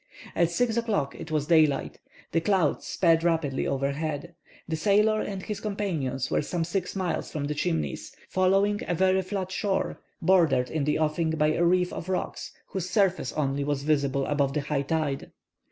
At 6 o'clock it was daylight. The clouds sped rapidly overhead. The sailor and his companions were some six miles from the Chimneys, following a very flat shore, bordered in the offing by a reef of rocks whose surface only was visible above the high tide.